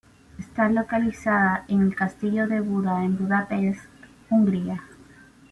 Está localizada en el Castillo de Buda en Budapest, Hungría.